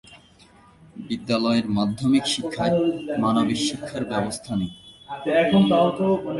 বিদ্যালয়ের মাধ্যমিক শিক্ষায় মানবিক শিক্ষার ব্যবস্থা নেই।